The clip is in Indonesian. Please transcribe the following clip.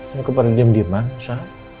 ini kemarin diem diem ma sa